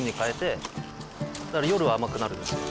だから夜は甘くなるんですよ。